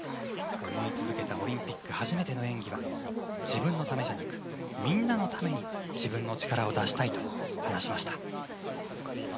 思い続けたオリンピック初めての演技は自分のためじゃなくみんなのために自分の力を出したいと話しました。